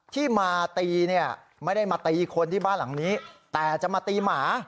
ที่มาตีเนี่ยไม่ได้มาตีคนที่บ้านหลังนี้แต่จะมาตีหมา